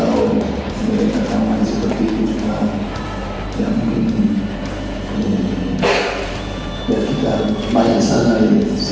dan mungkin kita akan kembali ke sana sendiri